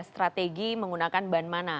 strategi menggunakan ban mana